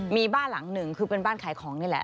มีบ้านหลังหนึ่งคือเป็นบ้านขายของนี่แหละ